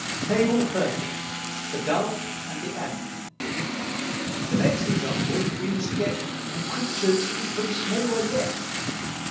FABLE XXX. THE DOVE AND THE ANT. The next example we must get From creatures even smaller yet.